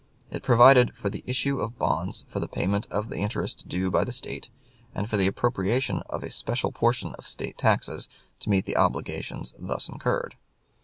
It provided for the issue of bonds for the payment of the interest due by the State, and for the appropriation of a special portion of State taxes to meet the obligations thus incurred.